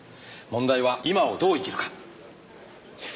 問題は今をどう生きるか。